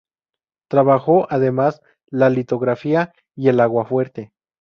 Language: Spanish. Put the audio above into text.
Trabajó además la litografía y el aguafuerte.